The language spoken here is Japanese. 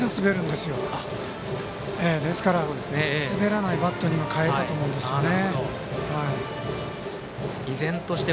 ですから、滑らないバットにかえたと思うんですね。